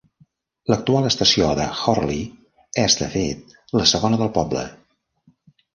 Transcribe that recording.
L'actual estació de Horley és, de fet, la segona del poble.